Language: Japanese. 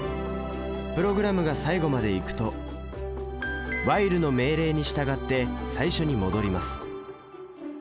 プログラムが最後まで行くと「ｗｈｉｌｅ」の命令に従って最初に戻ります。